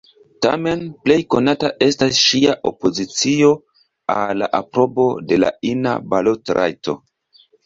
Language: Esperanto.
Tamen, plej konata estas ŝia opozicio al la aprobo de la ina balotrajto.